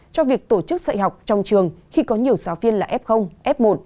cho việc tổ chức dạy học trong trường khi có nhiều giáo viên là f f một